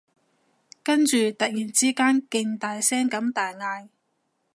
跟住突然之間勁大聲咁大嗌